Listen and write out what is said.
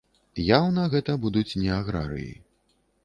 Яўна гэта будуць не аграрыі.